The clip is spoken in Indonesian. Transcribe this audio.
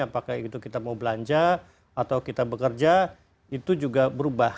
apakah itu kita mau belanja atau kita bekerja itu juga berubah